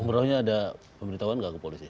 umrohnya ada pemberitahuan nggak ke polisi